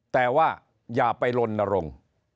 แต่ว่าอย่าไปลนรงค์